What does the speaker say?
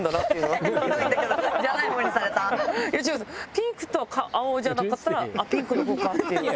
ピンクと青じゃなかったらピンクの方かっていう。